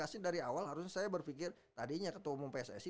saya berpikir tadinya ketemu pssi